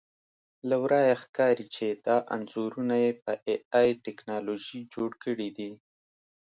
له ورایه ښکاري چې دا انځورونه یې په اې ائ ټکنالوژي جوړ کړي دي